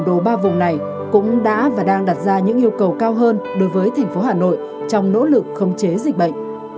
đồ ba vùng này cũng đã và đang đặt ra những yêu cầu cao hơn đối với thành phố hà nội trong nỗ lực khống chế dịch bệnh